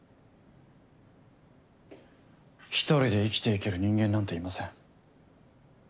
１人で生きていける人間なんていません。